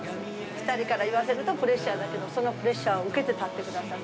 ２人から言わせるとプレッシャーだけど、そのプレッシャーを受けて立ってください。